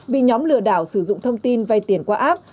bị nhóm lừa đảo sử dụng thông tin vay tiền qua app